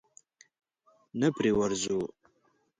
نه پرې ورځو؟